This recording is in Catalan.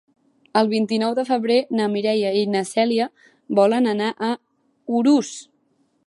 El vint-i-nou de febrer na Mireia i na Cèlia volen anar a Urús.